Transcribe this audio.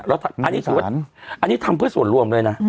อันนี้ทำเพื่อส่วนรวมเลยนะ